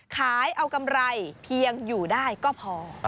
ขายเอากำไรเพียงอยู่ได้ก็พอ